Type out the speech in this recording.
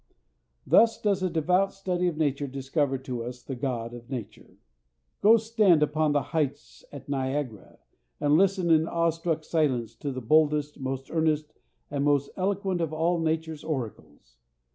Thus does a devout study of nature discover to us the God of nature. Go stand upon the heights at Niagara, and listen in awe struck silence to that boldest, most earnest, and most eloquent of all nature's oracles!